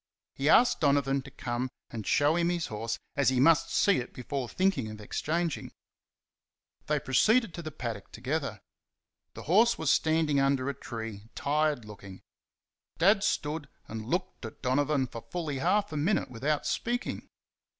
He asked Donovan to come and show him his horse, as he must see it before thinking of exchanging. They proceeded to the paddock together. The horse was standing under a tree, tired looking. Dad stood and looked at Donovan for fully half a minute without speaking.